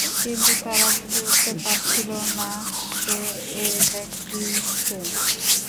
কিন্তু তারা বুঝে উঠতে পারছিল না যে, এ ব্যক্তিই সে।